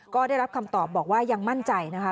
ก็ได้รับคำตอบบอกว่ายังมั่นใจนะคะ